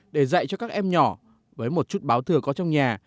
để dạy cho các em nhỏ với một chút báo thừa có trong nhà